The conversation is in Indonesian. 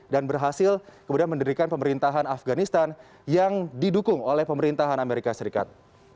dan berhasil kemudian mendirikan pemerintahan afganistan yang didukung oleh pemerintahan amerika serikat